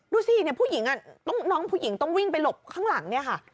ดูซินี่พวกผู้หญิงต้องวิ่งไปหลบข้างหลังเนี่ย